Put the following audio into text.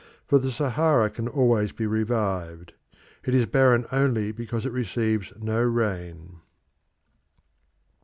For the Sahara can always be revived. It is barren only because it receives no rain.